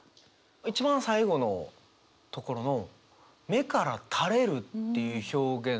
一番最後のところの「目から垂れる」っていう表現。